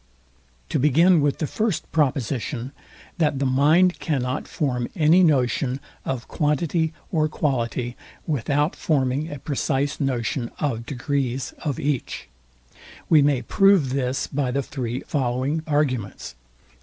To begin with the first proposition, THAT THE MIND CANNOT FORM ANY NOTION OF QUANTITY OR QUALITY WITHOUT FORMING A PRECISE NOTION OF DEGREES OF EACH; we may prove this by the three following arguments.